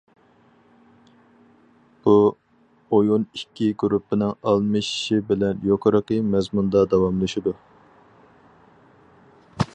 بۇ ئويۇن ئىككى گۇرۇپپىنىڭ ئالمىشىشى بىلەن يۇقىرىقى مەزمۇندا داۋاملىشىدۇ.